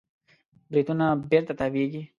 بریتونونه بېرته تاوېږي.